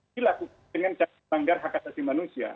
dilakukan dengan cara melanggar hak asasi manusia